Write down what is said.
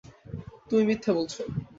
তুমি মিথ্যে বলছ।